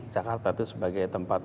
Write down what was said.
jakarta itu sebagai tempat